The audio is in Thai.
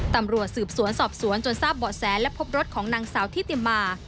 ตำรวจสืบสวนสอบสวนจนทราบเบาะแสและพบรถของนางสาวทิติมา